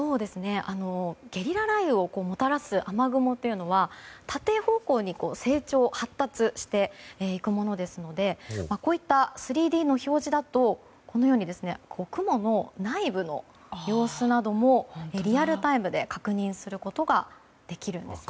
ゲリラ雷雨をもたらす雨雲というのは縦方向に成長・発達していくものですのでこういった３Ｄの表示だとこのように雲の内部の様子などもリアルタイムで確認することができるんですね。